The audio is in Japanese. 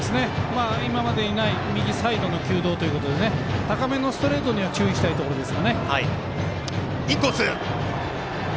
今までにない右サイドの球道なので高めのストレートに注意したいところです。